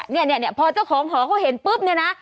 เนี่ยพอเจ้าของหอเขาเห็นปุ๊บเนี่ยนะ